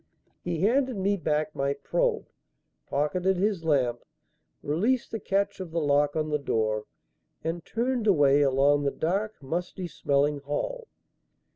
He handed me back my probe, pocketed his lamp, released the catch of the lock on the door, and turned away along the dark, musty smelling hall.